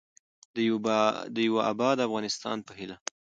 د یوه اباد افغانستان په هیله.